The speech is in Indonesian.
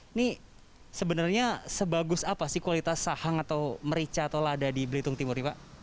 ini sebenarnya sebagus apa sih kualitas sahang atau merica atau lada di belitung timur ini pak